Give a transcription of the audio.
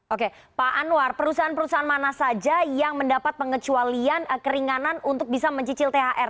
oke pak anwar perusahaan perusahaan mana saja yang mendapat pengecualian keringanan untuk bisa mencicil thr